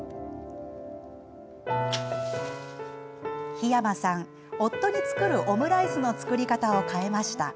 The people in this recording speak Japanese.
桧山さん、夫に作るオムライスの作り方を変えました。